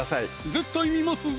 絶対見ますぞ！